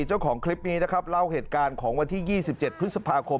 เจ้าของคลิปนี้นะครับเล่าเหตุการณ์ของวันที่๒๗พฤษภาคม